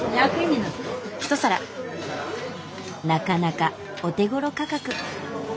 なかなかお手ごろ価格。